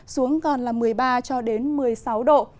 xuống còn là một mươi ba một mươi sáu độ